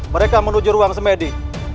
mereka menuju ruang semedi